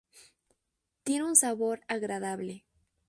Tiene un sabor agradable.